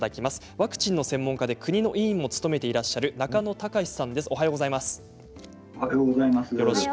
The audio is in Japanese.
ワクチンの専門家で国の委員も務めていらっしゃる中野貴司さんです。